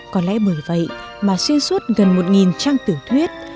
có lẽ bởi vậy mà xuyên suốt gần một nghìn trang tiểu thuyết